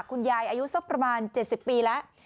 อายุสักประมาณ๗๐ปีแล้ว